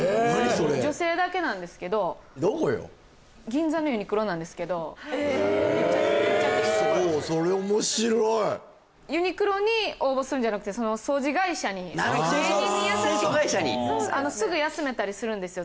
女性だけなんですけどなんですけどへえそれ面白いユニクロに応募するんじゃなくてその掃除会社に清掃会社にすぐ休めたりするんですよ